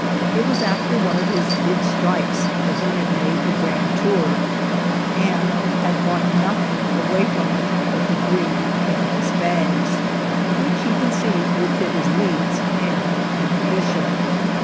It was after ) one of his " big strikes " that he had made the Grand Tour, and had brought nothing away from it but the green canvas bags, which he conceived would fit his needs, and an ambition.